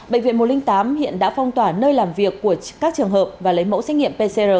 bệnh viện một trăm linh tám hiện đã phong tỏa nơi làm việc của các trường hợp và lấy mẫu xét nghiệm pcr